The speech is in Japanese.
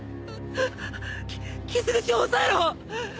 き傷口を押さえろ！